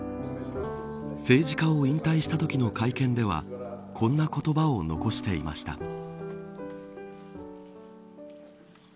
政治家を引退したときの会見ではこんな言葉を残していました。